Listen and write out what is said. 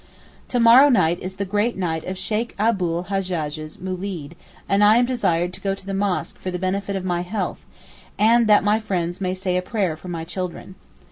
To morrow night is the great night of Sheykh Abu l Hajjaj's moolid and I am desired to go to the mosque for the benefit of my health, and that my friends may say a prayer for my children.